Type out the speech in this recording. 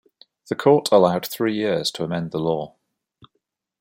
The court allowed three years to amend the law.